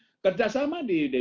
digitalisasi ekonomi dan keuangan